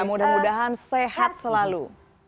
mudah mudahan sehat selalu